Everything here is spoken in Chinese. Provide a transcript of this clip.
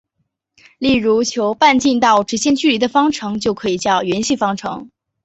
例如求半径到直线距离的方程就可以叫圆系方程。